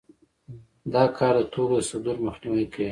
دا کار د توکو د صدور مخنیوی کوي